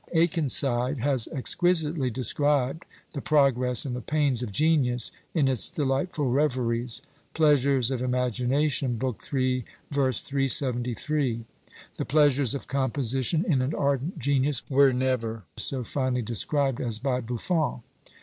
Akenside has exquisitely described the progress and the pains of genius in its delightful reveries: Pleasures of Imagination, b. iii. v. 373. The pleasures of composition in an ardent genius were never so finely described as by Buffon.